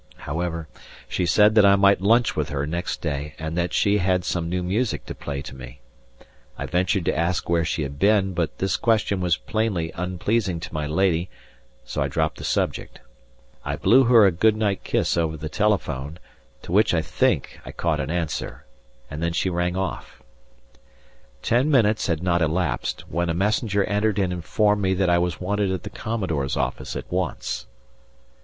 However, she said that I might lunch with her next day, and that she had some new music to play to me. I ventured to ask where she had been, but this question was plainly unpleasing to my lady, so I dropped the subject. I blew her a goodnight kiss over the telephone, to which I think I caught an answer, and then she rang off. Ten minutes had not elapsed, when a messenger entered and informed me that I was wanted at the Commodore's office at once.